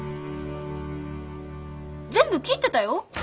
全部聞いてたよ。